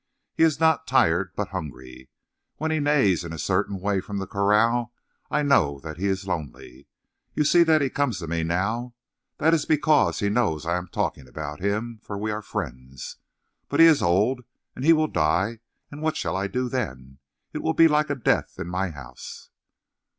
He is not tired, but hungry. When he neighs in a certain way from the corral I know that he is lonely. You see that he comes to me now? That is because he knows I am talking about him, for we are friends. But he is old and he will die, and what shall I do then? It will be like a death in my house!"